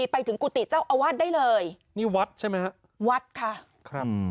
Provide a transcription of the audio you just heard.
ไปถึงกุฎิเจ้าอวาทได้เลยนี่วัดใช่ไหมค่ะวัดค่ะ